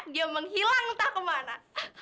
dia menghilang entah kemana